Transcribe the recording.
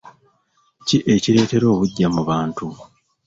Ki ekireetera obuggya mu bantu?